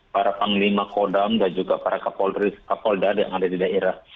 para panglima kodam dan juga para kapolda yang ada di daerah